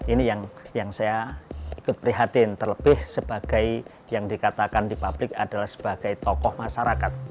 ini yang saya ikut prihatin terlebih sebagai yang dikatakan di publik adalah sebagai tokoh masyarakat